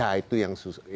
ya itu yang susah